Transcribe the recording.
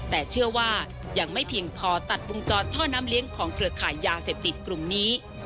แต่เชื่อว่ายังไม่เพียงพอตัดวงจรท่อน้ำเลี้ยงของเครือขายยาเสพติดกลุ่มนี้